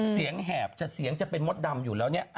แหบจะเสียงจะเป็นมดดำอยู่แล้วเนี่ย